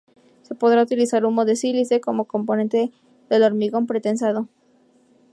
Se podrá utilizar humo de sílice como componente del hormigón pretensado.